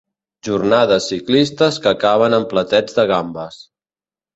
Jornades ciclistes que acaben amb platets de gambes.